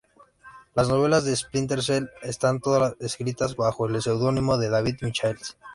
Las novelas de "Splinter Cell" están todas escritas bajo el seudónimo de David Michaels.